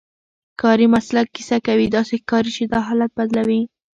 کاري مسلک کیسه کوي، داسې ښکاري چې دا حالت بدلوي.